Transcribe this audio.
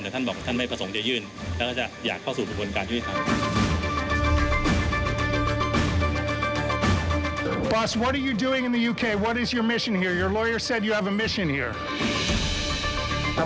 แต่ท่านบอกว่าท่านไม่ประสงค์จะยื่นแล้วก็จะอยากเข้าสู่ประวัติการช่วยท่าน